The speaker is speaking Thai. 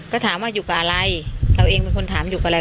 ก็ถามว่าอยู่กับอะไรเราเองเป็นคนถามอยู่กับอะไร